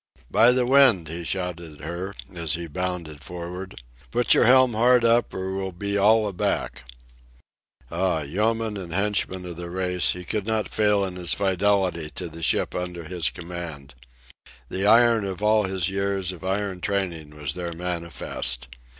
"By the wind," he shouted to her, as he bounded for'ard. "Put your helm hard up or we'll be all aback." Ah!—yeoman and henchman of the race, he could not fail in his fidelity to the ship under his command. The iron of all his years of iron training was there manifest.